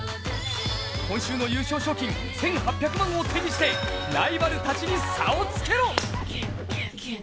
今週の優勝賞金１８００万を手にしてライバルたちに差をつけろ！